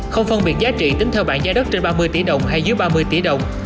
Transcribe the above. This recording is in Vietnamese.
không phân biệt giá trị tính theo bảng giá đất trên ba mươi tỷ đồng hay dưới ba mươi tỷ đồng